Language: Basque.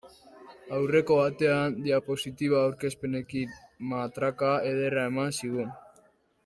Aurreko batean diapositiba aurkezpenekin matraka ederra eman zigun.